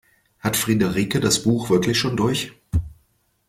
Hat Friederike das Buch wirklich schon durch?